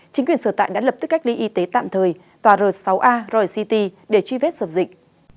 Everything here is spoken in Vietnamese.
chính quyền sửa tại đã lập tức cách ly y tế tạm thời tòa r sáu a royal city để truy vết sập dịch